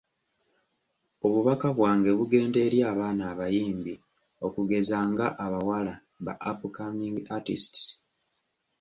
Obubaka bwange bugenda eri abaana abayimbi okugeza nga, abawala ba ‘upcoming artistes’.